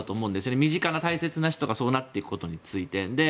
身近な大切な人がそうなっていくことについて。